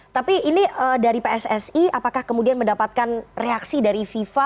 tapi ini dari pssi apakah kemudian mendapatkan reaksi dari fifa